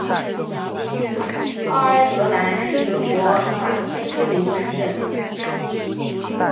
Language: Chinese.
奥埃德兰是德国萨克森州的一个市镇。